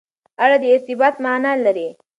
اړه د ارتباط معنا لري.